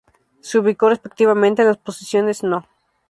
Se ubicó respectivamente en las posiciones No.